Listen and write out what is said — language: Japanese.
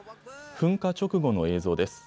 噴火直後の映像です。